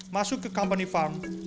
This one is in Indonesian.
masuk ke company farm